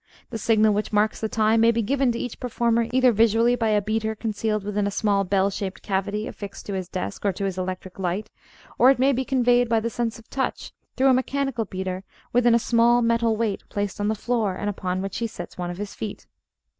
The signal which marks the time may be given to each performer, either visually by a beater concealed within a small bell shaped cavity affixed to his desk or to his electric light; or it may be conveyed by the sense of touch through a mechanical beater within a small metal weight placed on the floor and upon which he sets one of his feet.